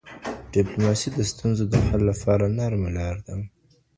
ډیپلوماسي د ستونزو د حل لپاره نرمه لار ده.